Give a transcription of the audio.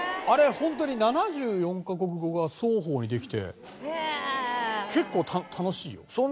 本当に７４カ国語が双方にできて結構楽しいよ。